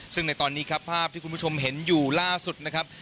ซึ่งในตอนนี้ครับภาพที่คุณผู้ชมเห็นอยู่ล่าสุดนะครับ